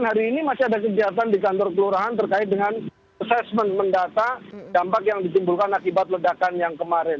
hari ini masih ada kegiatan di kantor kelurahan terkait dengan assessment mendata dampak yang ditimbulkan akibat ledakan yang kemarin